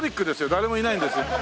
誰もいないんです。